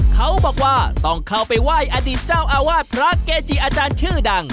เขาบอกว่าต้องเข้าไปไหว้อดีตเจ้าอาวาสพระเกจิอาจารย์ชื่อดัง